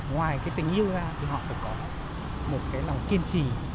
ngoài cái tình yêu ra thì họ phải có một cái lòng kiên trì